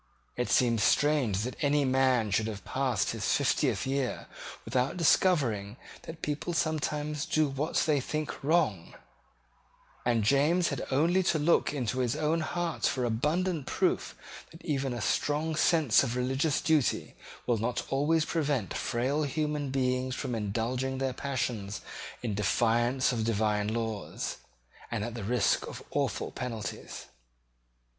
It seems strange that any man should have passed his fiftieth year without discovering that people sometimes do what they think wrong: and James had only to look into his own heart for abundant proof that even a strong sense of religious duty will not always prevent frail human beings from indulging their passions in defiance of divine laws, and at the risk of awful penalties.